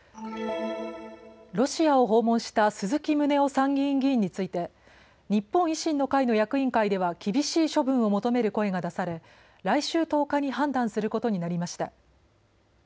ロシアを訪問した鈴木宗男参議院議員について日本維新の会の役員会では厳しい処分を求める声が出され来週１０日に判断することになりました。